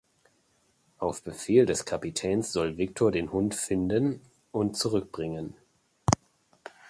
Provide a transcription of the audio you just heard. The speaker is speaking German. Auf Befehl des Kapitäns soll Victor den Hund finden und zurückbringen.